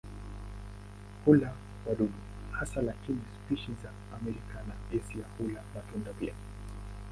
Hula wadudu hasa lakini spishi za Amerika na Asia hula matunda pia.